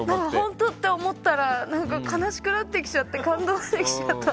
本当と思ったら悲しくなってきちゃって感動してきちゃった。